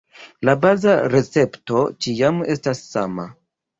La baza recepto ĉiam estas sama.